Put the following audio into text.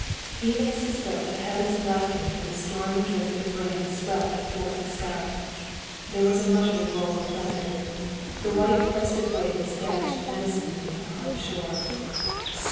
Even as he spoke, the heavens blackened and a stormy drift of rain swept athwart the sky. There was a muttering roll of thunder. The white crested waves dashed menacingly upon the shore!